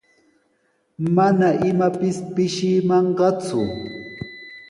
Mana imapis pishimanqaku.